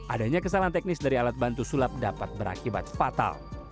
adanya kesalahan teknis dari alat bantu sulap dapat berakibat fatal